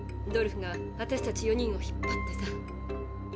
ドルフが私たち４人を引っ張ってさ。